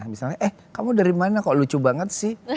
misalnya eh kamu dari mana kok lucu banget sih